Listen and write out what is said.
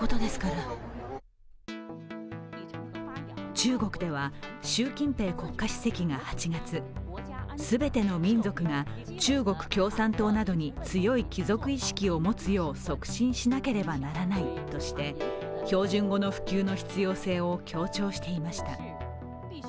中国では、習近平国家主席が８月全ての民族が中国共産党などに強い帰属意識を持つよう促進しなければならないとして標準語の普及の必要性を強調していました。